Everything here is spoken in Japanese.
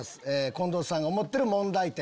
近藤さんが思ってる問題点